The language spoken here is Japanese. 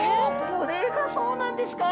これがそうなんですか！